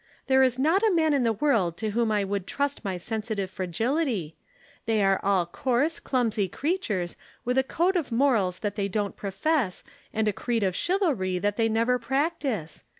There is not a man in the world to whom I would trust my sensitive fragility they are all coarse, clumsy creatures with a code of morals that they don't profess and a creed of chivalry that they never practise.